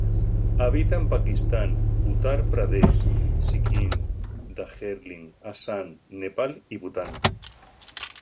Habita en Pakistán, Uttar Pradesh, Sikkim, Darjeeling, Assam, Nepal y Bután.